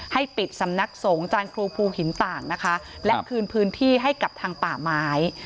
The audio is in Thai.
ให้ปิดสำนักสงฆ์จานครูภูหินต่างนะคะและคืนพื้นที่ให้กับทางป่าไม้